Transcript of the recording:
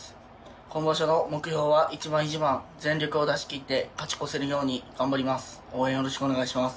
今場所の目標は一番一番全力を出し切って勝ち越せるように頑張ります。